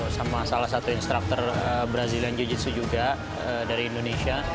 sama salah satu instructor brazilian jujitsu juga dari indonesia